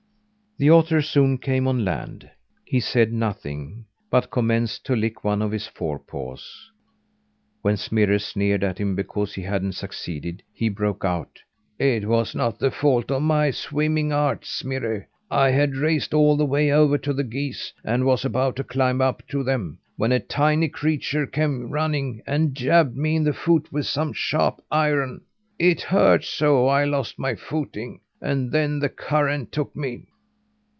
The otter soon came on land. He said nothing, but commenced to lick one of his forepaws. When Smirre sneered at him because he hadn't succeeded, he broke out: "It was not the fault of my swimming art, Smirre. I had raced all the way over to the geese, and was about to climb up to them, when a tiny creature came running, and jabbed me in the foot with some sharp iron. It hurt so, I lost my footing, and then the current took me."